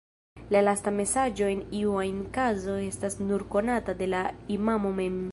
La lasta mesaĝo en iu ajn kazo estas nur konata de la imamo mem.